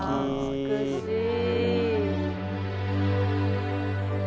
美しい。